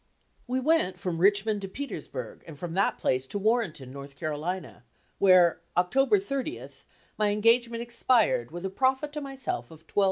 We went from Richmond to Petersburg, and from that place to Warrenton, North Carolina, where, October 30th, my engagement expired with a profit to myself of $1,200.